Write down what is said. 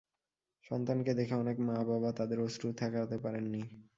সন্তানকে দেখে অনেক মা বাবা তাদের অশ্রু ঠেকাতে পারেননি।